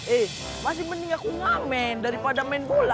eh masih mendingan aku ngamen daripada main bola